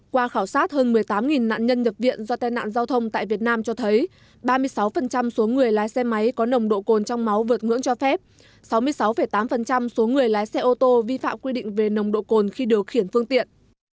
qua khảo sát hơn một mươi tám nạn nhân nhập viện do tai nạn giao thông tại việt nam cho thấy ba mươi sáu số người lái xe máy có nồng độ cồn trong máu vượt ngưỡng cho phép sáu mươi sáu tám số người lái xe ô tô vi phạm quy định về nồng độ cồn khi điều khiển phương tiện